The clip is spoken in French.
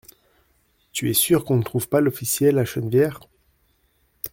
Tu es sûre qu'on ne trouve pas l'Officiel à Chennevières ?